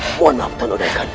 mohon maaf tuan odaikan